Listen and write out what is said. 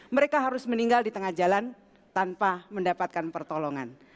mereka harus meninggal di tengah jalan tanpa mendapatkan pertolongan